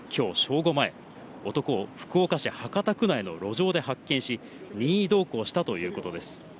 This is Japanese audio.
午前、男を福岡市博多区内の路上で発見し、任意同行したということです。